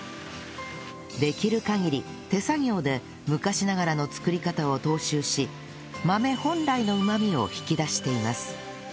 できる限り手作業で昔ながらの作り方を踏襲し豆本来のうまみを引き出しています